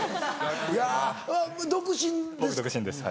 いや独身ですか？